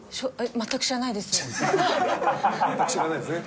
全く知らないですね。